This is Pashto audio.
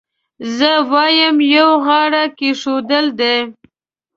زه وایم یو غاړه کېښودل دي.